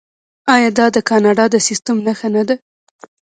آیا دا د کاناډا د سیستم نښه نه ده؟